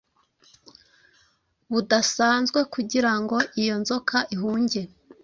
budasanzwe kugira ngo iyo nzoka ihunge